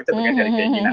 itu berasal dari keinginan